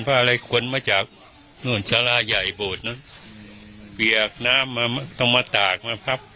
อะไรคนมาจากนู่นสาราใหญ่โบสถ์เนอะเปียกน้ำมาต้องมาตากมาพับ